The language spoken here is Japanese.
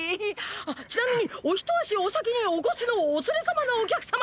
あっちなみにお一足お先にお越しのお連れ様のお客様とは！！